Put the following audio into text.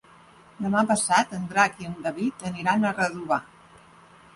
Demà passat en Drac i en David aniran a Redovà.